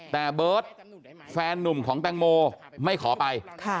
แต่เบิร์ตแฟนนุ่มของแตงโมไม่ขอไป